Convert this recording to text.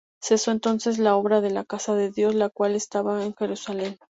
Cesó entonces la obra de la casa de Dios, la cual estaba en Jerusalem